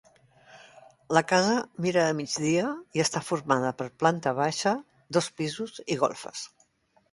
La casa mira a migdia i està formada per planta baixa, dos pisos i golfes.